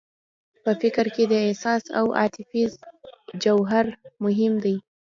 په فکر کې د احساس او عاطفې جوهر مهم دی